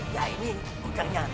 ya ini gudangnya